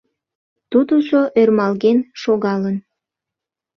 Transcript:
Тудыжо ӧрмалген шогалын.